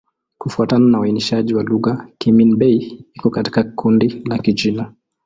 Kufuatana na uainishaji wa lugha, Kimin-Bei iko katika kundi la Kichina.